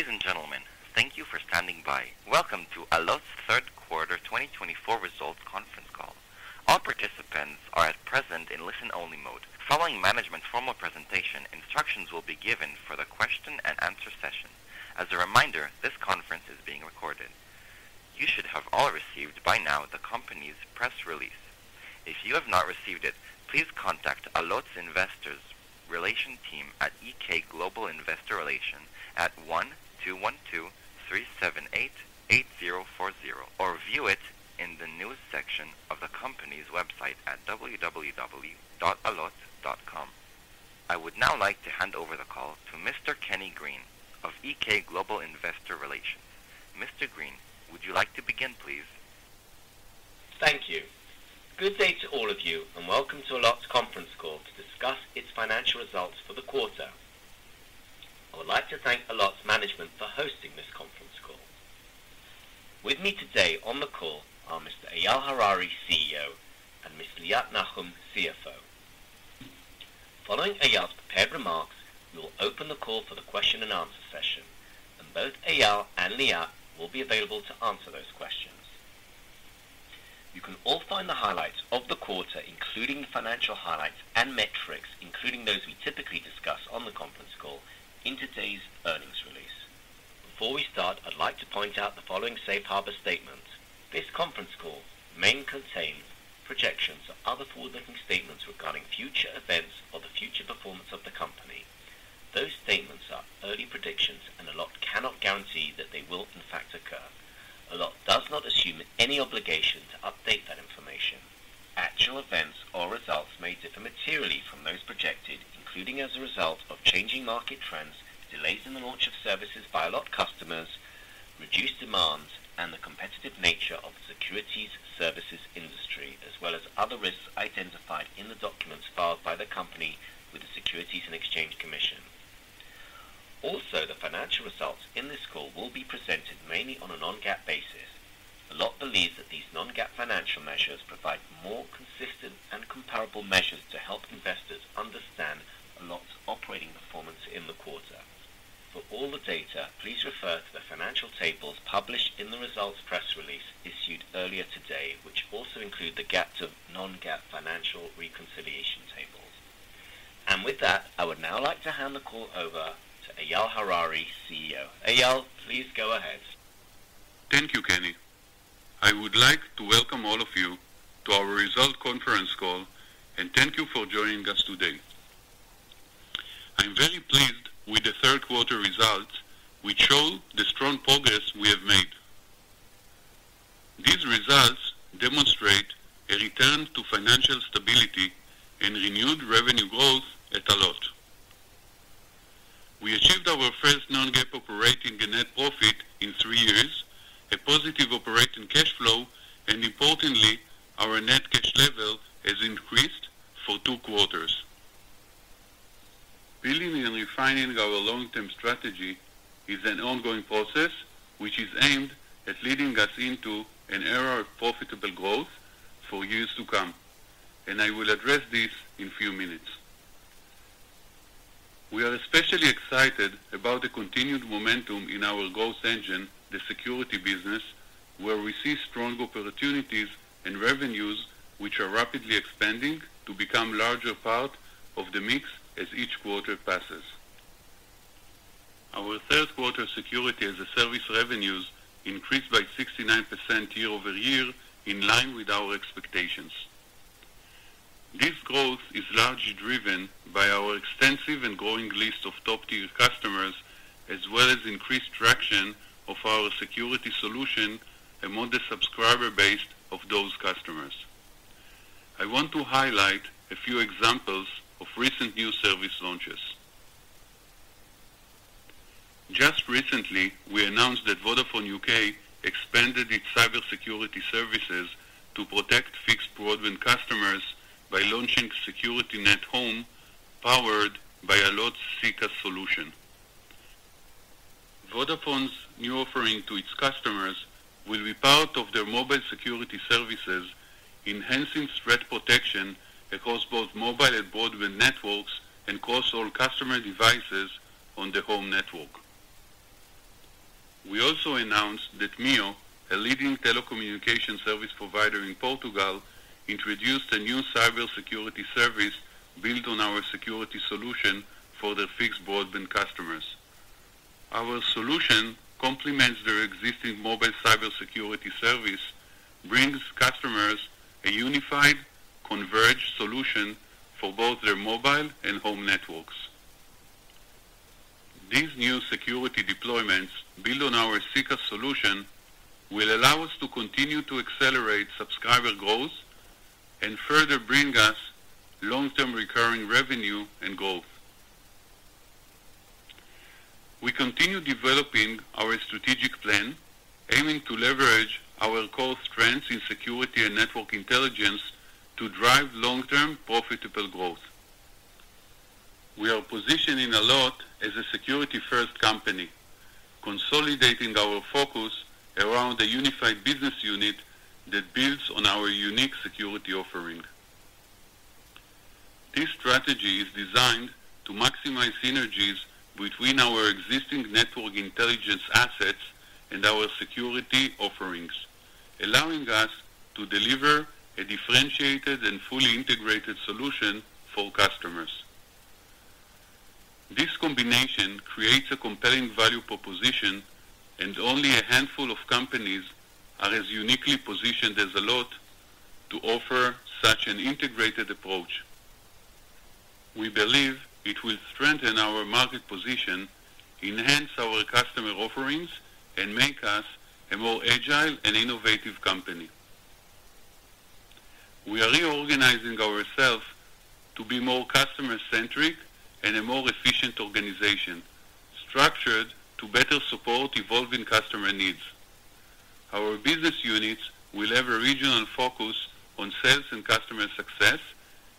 Ladies and gentlemen, thank you for standing by. Welcome to Allot's Q3 2024 results conference call. All participants are at present in listen-only mode. Following management's formal presentation, instructions will be given for the Q&A session. As a reminder, this conference is being recorded. You should have all received by now the company's press release. If you have not received it, please contact Allot's investor relations team at EK Global Investor Relations at 1-212-378-8040 or view it in the news section of the company's website at www.allot.com. I would now like to hand over the call to Mr. Kenny Green of EK Global Investor Relations. Mr. Green, would you like to begin, please? Thank you. Good day to all of you, and welcome to Allot's conference call to discuss its financial results for the quarter. I would like to thank Allot's management for hosting this conference call. With me today on the call are Mr. Eyal Harari, CEO, and Ms. Liat Nahum, CFO. Following Eyal's prepared remarks, we will open the call for the Q&A session, and both Eyal and Liat will be available to answer those questions. You can all find the highlights of the quarter, including financial highlights and metrics, including those we typically discuss on the conference call, in today's earnings release. Before we start, I'd like to point out the following safe harbor statement. This conference call may contain projections or other forward-looking statements regarding future events or the future performance of the company. Those statements are early predictions, and Allot cannot guarantee that they will, in fact, occur. Allot does not assume any obligation to update These results demonstrate a return to financial stability and renewed revenue growth at Allot. We achieved our first non-GAAP operating net profit in three years, a positive operating cash flow, and importantly, our net cash level has increased for two quarters. Building and refining our long-term strategy is an ongoing process, which is aimed at leading us into an era of profitable growth for years to come, and I will address this in a few minutes. We are especially excited about the continued momentum in our growth engine, the security business, where we see strong opportunities and revenues which are rapidly expanding to become a larger part of the mix as each quarter passes. Our Q3 security as a service revenues increased by 69% year-over-year, in line with our expectations. This growth is largely driven by our extensive and growing list of top-tier customers, as well as increased traction of our security solution among the subscriber base of those customers. I want to highlight a few examples of recent new service launches. Just recently, we announced that Vodafone U.K. expanded its cybersecurity services to protect fixed broadband customers by launching Secure Net Home, powered by Allot's SECaaS solution. Vodafone's new offering to its customers will be part of their mobile security services, enhancing threat protection across both mobile and broadband networks and cross all customer devices on the home network. We also announced that MEO, a leading telecommunication service provider in Portugal, introduced a new cybersecurity service built on our security solution for their fixed broadband customers. Our solution complements their existing mobile cybersecurity service, bringing customers a unified, converged solution for both their mobile and home networks. These new security deployments, built on our SECaaS solution, will allow us to continue to accelerate subscriber growth and further bring us long-term recurring revenue and growth. We continue developing our strategic plan, aiming to leverage our core strengths in security and network intelligence to drive long-term profitable growth. We are positioning Allot as a security-first company, consolidating our focus around a unified business unit that builds on our unique security offering. This strategy is designed to maximize synergies between our existing network intelligence assets and our security offerings, allowing us to deliver a differentiated and fully integrated solution for customers. This combination creates a compelling value proposition, and only a handful of companies are as uniquely positioned as Allot to offer such an integrated approach. We believe it will strengthen our market position, enhance our customer offerings, and make us a more agile and innovative company. We are reorganizing ourselves to be more customer-centric and a more efficient organization, structured to better support evolving customer needs. Our business units will have a regional focus on sales and customer success,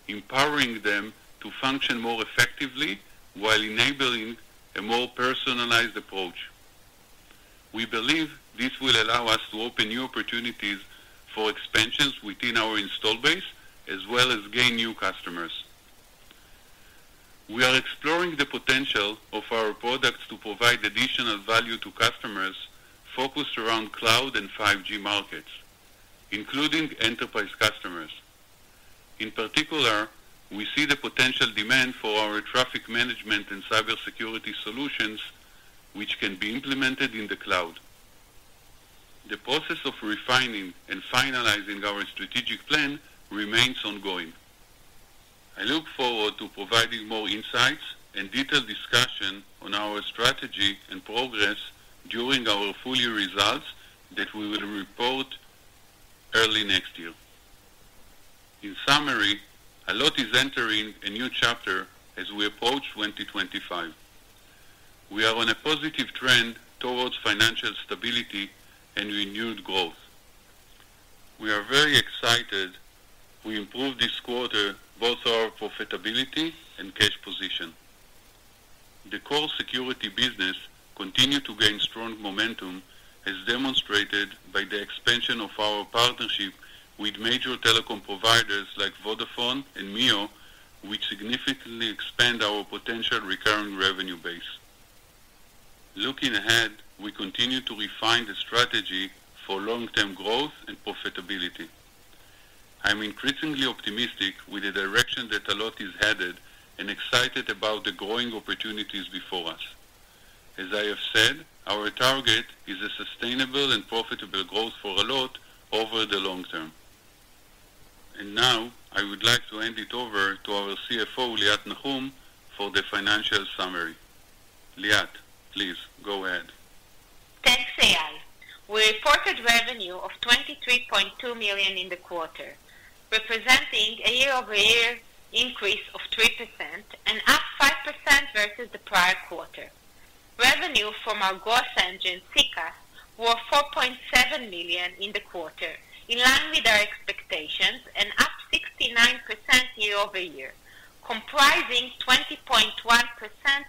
empowering them to function more effectively while enabling a more personalized approach. We believe this will allow us to open new opportunities for expansions within our installed base, as well as gain new customers. We are exploring the potential of our products to provide additional value to customers focused around cloud and 5G markets, including enterprise customers. In particular, we see the potential demand for our traffic management and cybersecurity solutions, which can be implemented in the cloud. The process of refining and finalizing our strategic plan remains ongoing. I look forward to providing more insights and detailed discussion on our strategy and progress during our full-year results that we will report early next year. In summary, Allot is entering a new chapter as we approach 2025. We are on a positive trend towards financial stability and renewed growth. We are very excited to improve this quarter both our profitability and cash position. The core security business continues to gain strong momentum, as demonstrated by the expansion of our partnership with major telecom providers like Vodafone and MEO, which significantly expands our potential recurring revenue base. Looking ahead, we continue to refine the strategy for long-term growth and profitability. I'm increasingly optimistic with the direction that Allot is headed and excited about the growing opportunities before us. As I have said, our target is a sustainable and profitable growth for Allot over the long term. And now, I would like to hand it over to our CFO, Liat Nahum, for the financial summary. Liat, please go ahead. Thanks, Eyal. We reported revenue of $23.2 million in the quarter, representing a year-over-year increase of 3% and up 5% versus the prior quarter. Revenue from our growth engine, SECaaS, was $4.7 million in the quarter, in line with our expectations and up 69% year-over-year, comprising 20.1%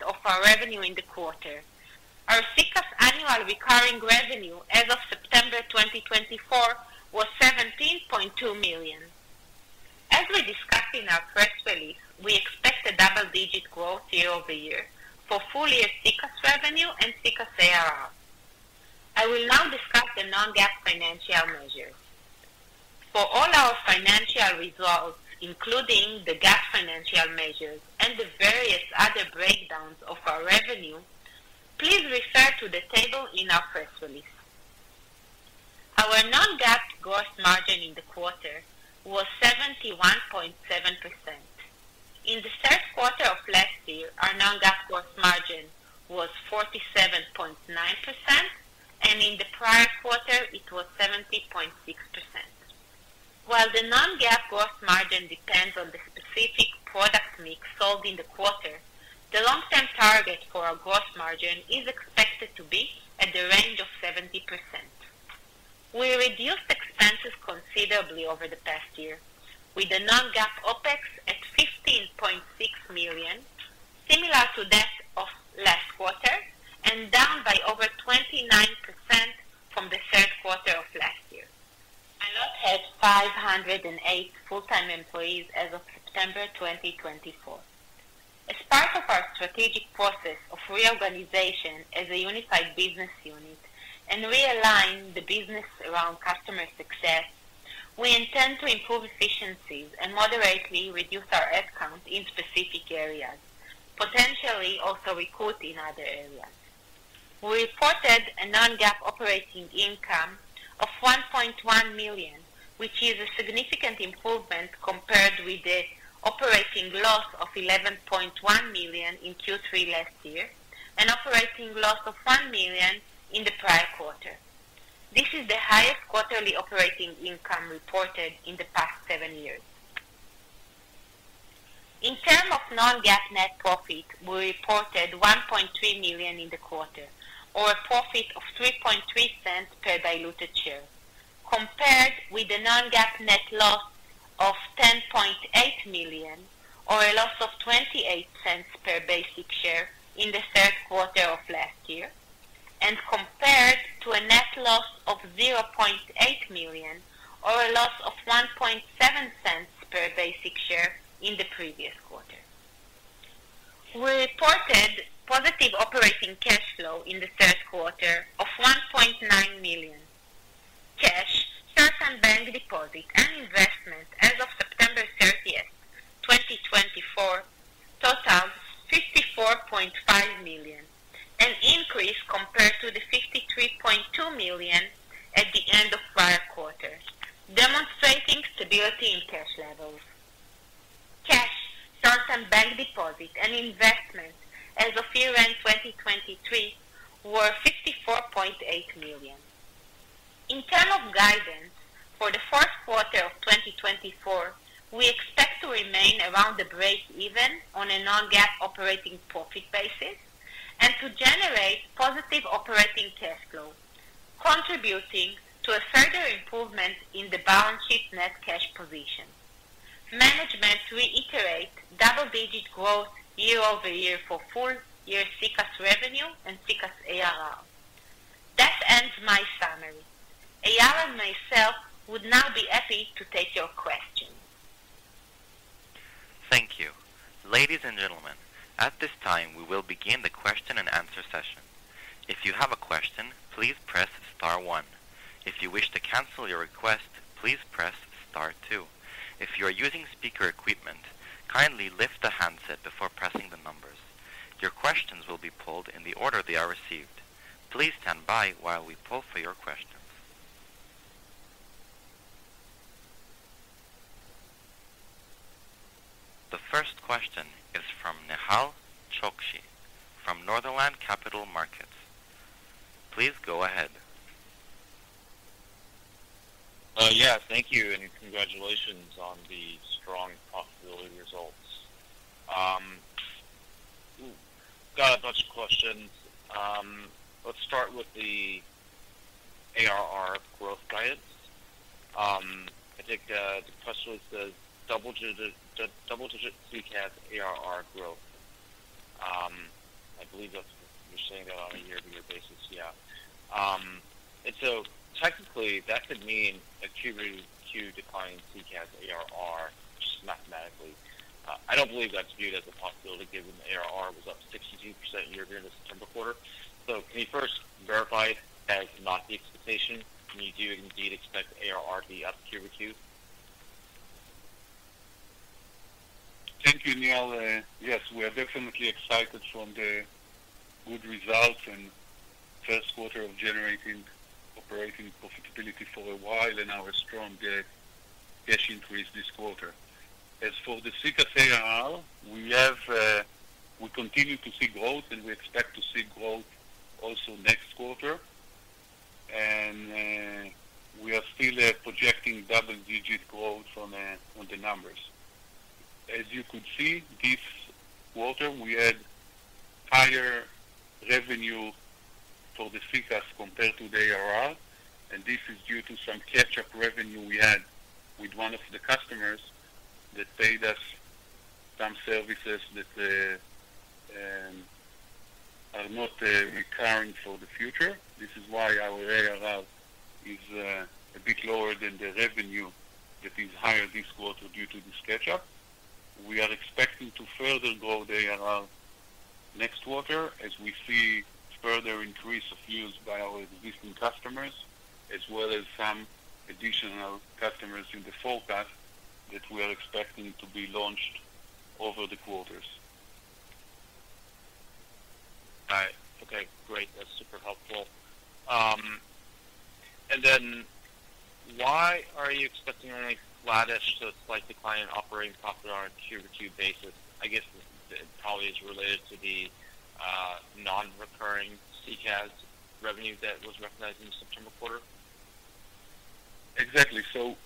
of our revenue in the quarter. Our SECaaS annual recurring revenue as of September 2024 was $17.2 million. As we discussed in our press release, we expect a double-digit growth year-over-year for full-year SECaaS revenue and SECaaS ARR. I will now discuss the non-GAAP financial measures. For all our financial results, including the GAAP financial measures and the various other breakdowns of our revenue, please refer to the table in our press release. Our non-GAAP gross margin in the quarter was 71.7%. In the Q3 of last year, our non-GAAP gross margin was 47.9%, and in the prior quarter, it was 70.6%. While the non-GAAP gross margin depends on the specific product mix sold in the quarter, the long-term target for our gross margin is expected to be at the range of 70%. We reduced expenses considerably over the past year, with the non-GAAP OpEx at $15.6 million, similar to that of last quarter, and down by over 29% from the Q3 of last year. Allot has 508 full-time employees as of September 2024. As part of our strategic process of reorganization as a unified business unit and realign the business around customer success, we intend to improve efficiencies and moderately reduce our headcount in specific areas, potentially also recruiting other areas. We reported a non-GAAP operating income of $1.1 million, which is a significant improvement compared with the operating loss of $11.1 million in Q3 last year and operating loss of $1 million in the prior quarter. This is the highest quarterly operating income reported in the past seven years. In terms of non-GAAP net profit, we reported $1.3 million in the quarter, or a profit of $0.033 per diluted share, compared with the non-GAAP net loss of $10.8 million, or a loss of $0.28 per basic share in the Q3 of last year, and compared to a net loss of $0.8 million, or a loss of $0.017 per basic share in the previous quarter. We reported positive operating cash flow in the Q3 of $1.9 million. Cash, certain bank deposits, and investment as of September 30, 2024, totaled $54.5 million, an increase compared to the $53.2 million at the end of prior quarter, demonstrating stability in cash levels. Cash, certain bank deposits, and investment as of year-end 2023 were $54.8 million. In terms of guidance for the Q4 of 2024, we expect to remain around the break-even on a non-GAAP operating profit basis and to generate positive operating cash flow, contributing to a further improvement in the balance sheet net cash position. Management reiterates double-digit growth year-over-year for full-year SECaaS revenue and SECaaS ARR. That ends my summary. Eyal and myself would now be happy to take your questions. Thank you. Ladies and gentlemen, at this time, we will begin the question and answer session. If you have a question, please press star one. If you wish to cancel your request, please press star two. If you are using speaker equipment, kindly lift the handset before pressing the numbers. Your questions will be pulled in the order they are received. Please stand by while we pull for your questions. The first question is from Nehal Chokshi, from Northland Capital Markets. Please go ahead. Yes, thank you, and congratulations on the strong profitability results. Got a bunch of questions. Let's start with the ARR growth guidance. I think the question says, "Double-digit SECaaS ARR growth." I believe you're saying that on a year-to-year basis, yeah. And so technically, that could mean a Q-to-Q decline in SECaaS ARR, just mathematically. I don't believe that's viewed as a possibility given the ARR was up 62% year-to-year in the September quarter. So can you first verify? Has not the expectation. Can you indeed expect the ARR to be up Q-to-Q? Thank you, Nehal. Yes, we are definitely excited from the good results in the Q1 of generating operating profitability for a while and our strong cash increase this quarter. As for the SECaaS ARR, we continue to see growth, and we expect to see growth also next quarter, and we are still projecting double-digit growth on the numbers. As you could see, this quarter, we had higher revenue for the SECaaS compared to the ARR, and this is due to some catch-up revenue we had with one of the customers that paid us some services that are not recurring for the future. This is why our ARR is a bit lower than the revenue that is higher this quarter due to this catch-up. We are expecting to further grow the ARR next quarter as we see further increase of use by our existing customers, as well as some additional customers in the forecast that we are expecting to be launched over the quarters. All right. Okay, great. That's super helpful. And then why are you expecting any flattish to a slight decline in operating profit on a Q-to-Q basis? I guess it probably is related to the non-recurring SECaaS revenue that was recognized in the September quarter. Exactly. So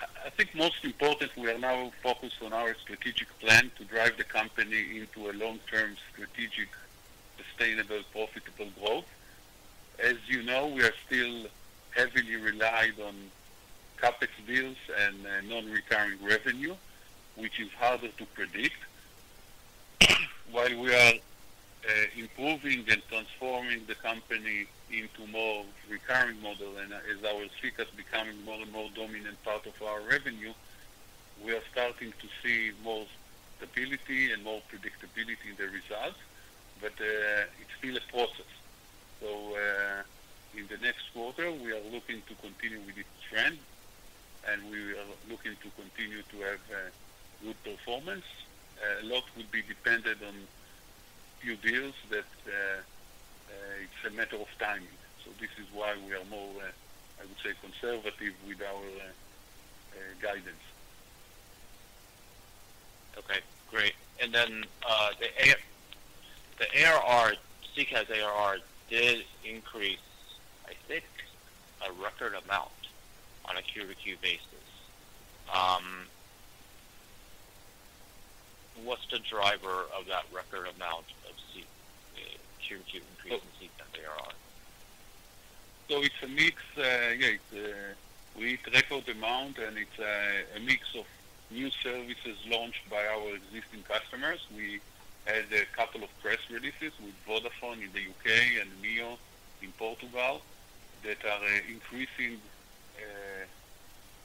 I think most importantly, we are now focused on our strategic plan to drive the company into a long-term strategic sustainable profitable growth. As you know, we are still heavily reliant on CapEx bills and non-recurring revenue, which is harder to predict. While we are improving and transforming the company into a more recurring model, and as our SECaaS become a more and more dominant part of our revenue, we are starting to see more stability and more predictability in the results, but it's still a process. So in the next quarter, we are looking to continue with this trend, and we are looking to continue to have good performance. A lot would be dependent on Q-to-Q deals that it's a matter of timing. So this is why we are more, I would say, conservative with our guidance. Okay, great. And then the ARR, SECaaS ARR, did increase, I think, a record amount on a Q-to-Q basis. What's the driver of that record amount of Q-to-Q increase in SECaaS ARR? It's a mix. Yeah, it's a record amount, and it's a mix of new services launched by our existing customers. We had a couple of press releases with Vodafone in the U.K. and MEO in Portugal that are increasing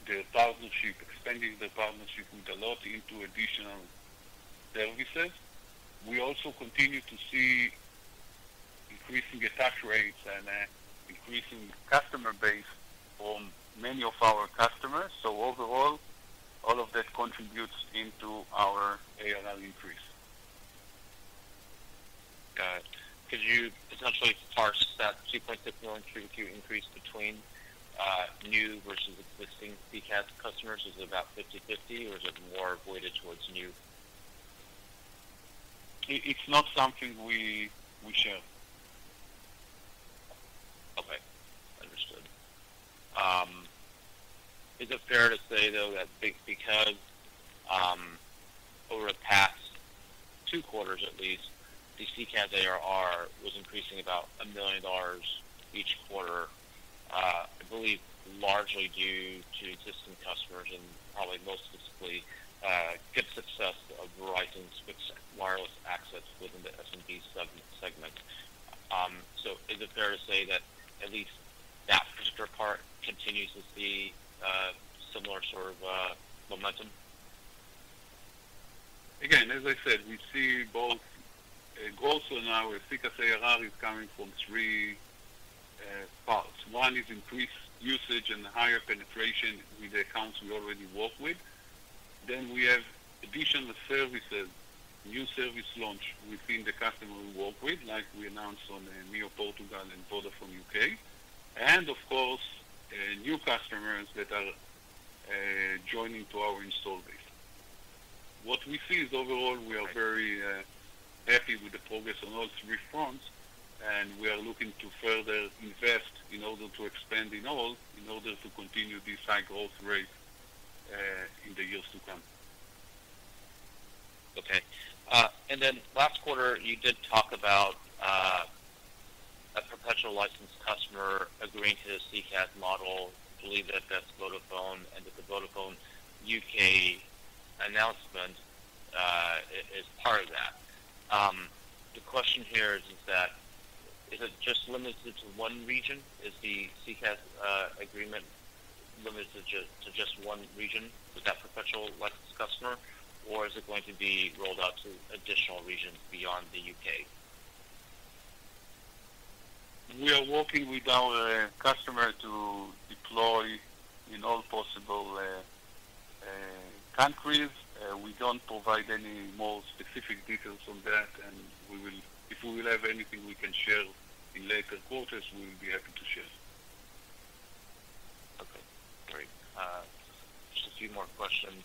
the partnership, expanding the partnership with Allot into additional services. We also continue to see increasing take rates and increasing the customer base from many of our customers. Overall, all of that contributes into our ARR increase. Got it. Could you potentially parse that 2.5 million Q-to-Q increase between new versus existing SECaaS customers? Is it about 50/50, or is it more weighted towards new? It's not something we share. Okay. Understood. Is it fair to say, though, that because over the past two quarters, at least, the SECaaS ARR was increasing about $1 million each quarter, I believe largely due to existing customers and probably most specifically good success of Verizon's wireless access within the SMB segment? So is it fair to say that at least that particular part continues to see a similar sort of momentum? Again, as I said, we see both growth in our SECaaS ARR is coming from three parts. One is increased usage and higher penetration with the accounts we already work with. Then we have additional services, new service launch within the customer we work with, like we announced on MEO Portugal and Vodafone U.K.. And of course, new customers that are joining to our installed base. What we see is overall, we are very happy with the progress on all three fronts, and we are looking to further invest in order to expand in all in order to continue this high growth rate in the years to come. Okay. And then last quarter, you did talk about a perpetual license customer agreeing to the SECaaS model. I believe that that's Vodafone, and that the Vodafone U.K. announcement is part of that. The question here is that is it just limited to one region? Is the SECaaS agreement limited to just one region with that perpetual license customer, or is it going to be rolled out to additional regions beyond the U.K.? We are working with our customer to deploy in all possible countries. We don't provide any more specific details on that, and if we will have anything we can share in later quarters, we will be happy to share. Okay. Great. Just a few more questions.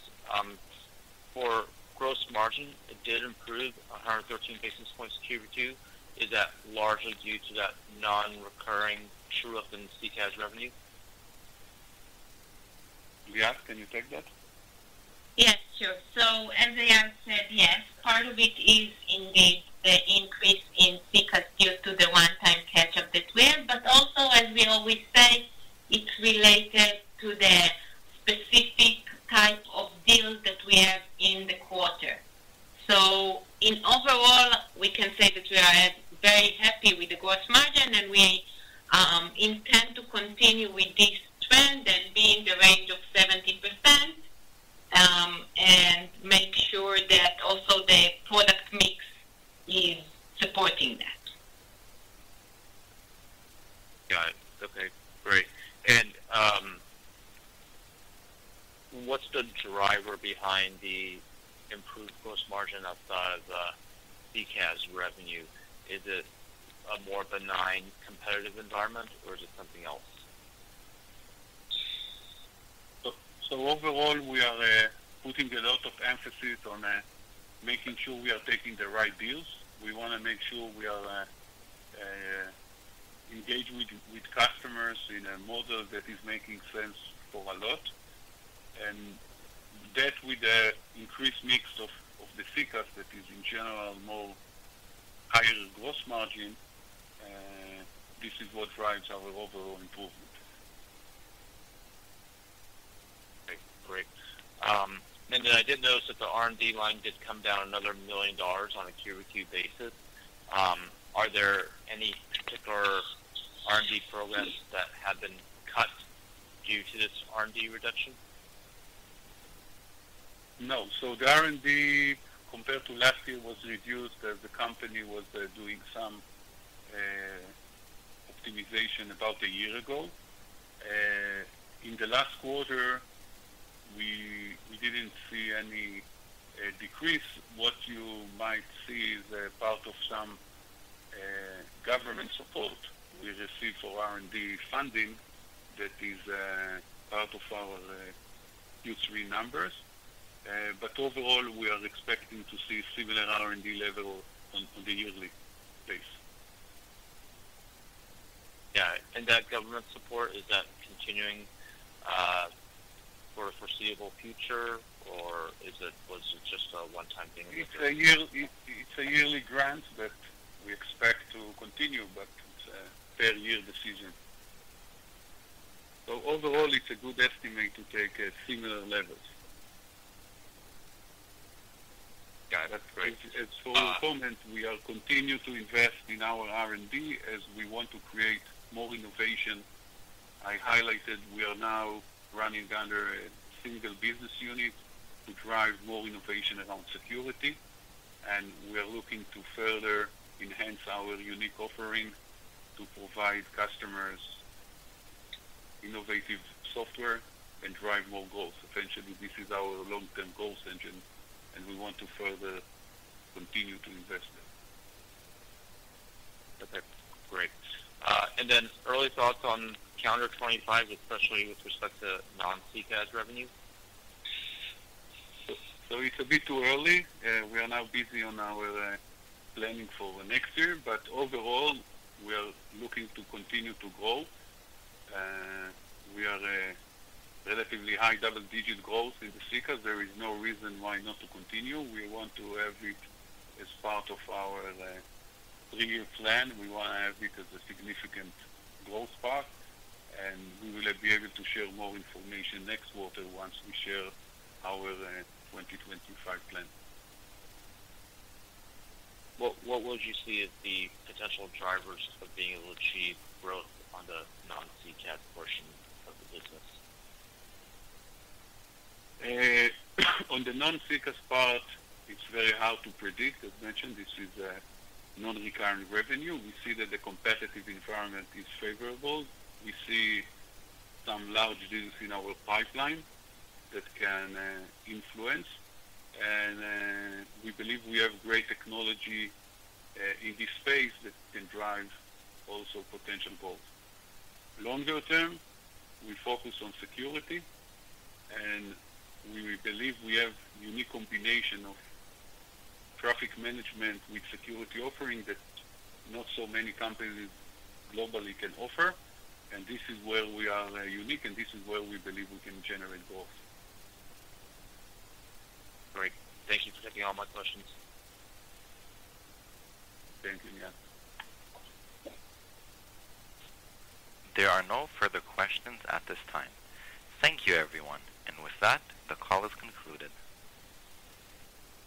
For gross margin, it did improve 113 basis points Q-to-Q. Is that largely due to that non-recurring true up in SECaaS revenue? Yes, can you take that? Yes, sure. So as Eyal said, yes, part of it is indeed the increase in SECaaS due to the one-time catch-up that we have. But also, as we always say, it's related to the specific type of deal that we have in the quarter. So overall, we can say that we are very happy with the gross margin, and we intend to continue with this trend and be in the range of 70% and make sure that also the product mix is supporting that. Got it. Okay. Great. And what's the driver behind the improved gross margin outside of SECaaS revenue? Is it a more benign competitive environment, or is it something else? So overall, we are putting a lot of emphasis on making sure we are taking the right deals. We want to make sure we are engaged with customers in a model that is making sense for Allot. And that with the increased mix of the SECaaS that is in general more higher gross margin, this is what drives our overall improvement. Okay. Great. And then I did notice that the R&D line did come down another $1 million on a Q-to-Q basis. Are there any particular R&D programs that have been cut due to this R&D reduction? No. So the R&D, compared to last year, was reduced as the company was doing some optimization about a year ago. In the last quarter, we didn't see any decrease. What you might see is part of some government support we receive for R&D funding that is part of our Q3 numbers. But overall, we are expecting to see similar R&D level on the yearly basis. Yeah, and that government support, is that continuing for a foreseeable future, or was it just a one-time thing? It's a yearly grant that we expect to continue, but it's a per-year decision. So overall, it's a good estimate to take similar levels. Got it. Great. As for performance, we are continuing to invest in our R&D as we want to create more innovation. I highlighted we are now running under a single business unit to drive more innovation around security, and we are looking to further enhance our unique offering to provide customers innovative software and drive more growth. Essentially, this is our long-term growth engine, and we want to further continue to invest in it. Okay. Great. And then early thoughts on calendar 2025, especially with respect to non-SECaaS revenue? It's a bit too early. We are now busy on our planning for next year, but overall, we are looking to continue to grow. We are at relatively high double-digit growth in the SECaaS. There is no reason why not to continue. We want to have it as part of our three-year plan. We want to have it as a significant growth path, and we will be able to share more information next quarter once we share our 2025 plan. What would you see as the potential drivers of being able to achieve growth on the non-SECaaS portion of the business? On the non-SECaaS part, it's very hard to predict. As mentioned, this is non-recurring revenue. We see that the competitive environment is favorable. We see some large deals in our pipeline that can influence, and we believe we have great technology in this space that can drive also potential growth. Longer term, we focus on security, and we believe we have a unique combination of traffic management with security offering that not so many companies globally can offer, and this is where we are unique, and this is where we believe we can generate growth. Great. Thank you for taking all my questions. Thank you, Nehal. There are no further questions at this time. Thank you, everyone, and with that, the call is concluded.